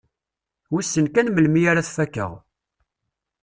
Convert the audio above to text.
Wissen kan melmi ara t-fakkeɣ.